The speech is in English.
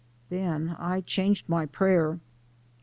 Den I changed my prayer.